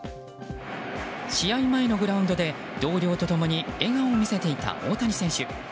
試合前のグラウンドで同僚と共に笑顔を見せていた大谷選手。